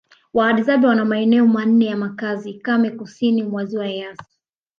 Wahadzabe wana maeneo manne ya makazi kame kusini mwa Ziwa Eyasi